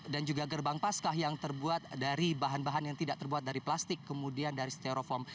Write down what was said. dan juga gerbang pasca yang terbuat dari bahan bahan yang tidak terbuat dari plastik kemudian dari steroform